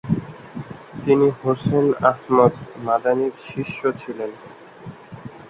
তিনি হুসেন আহমদ মাদানির শিষ্য ছিলেন।